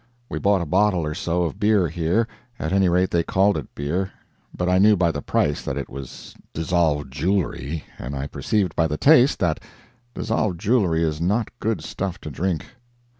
We bought a bottle or so of beer here; at any rate they called it beer, but I knew by the price that it was dissolved jewelry, and I perceived by the taste that dissolved jewelry is not good stuff to drink.